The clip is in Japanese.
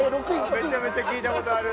めちゃめちゃ聴いたことある。